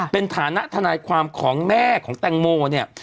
เป็นฐานะทนายความของแม่ของแตงโมเนี่ย